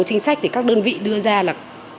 chính sách thì các đơn vị đưa ra là